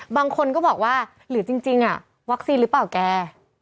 บางคนก็บอกว่าหรือจริงวัคซีนหรือเปล่าแก